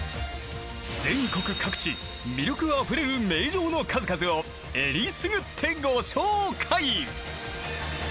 全国各地魅力あふれる名城の数々をえりすぐってご紹介！